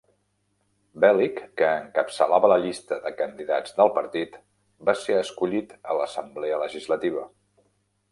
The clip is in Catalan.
Belykh, que encapçalava la llista de candidats del partit, va ser escollit a l'Assemblea Legislativa.